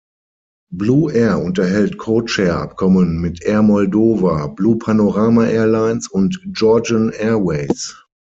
Blue Air unterhält Codeshare-Abkommen mit Air Moldova, Blue Panorama Airlines und Georgian Airways.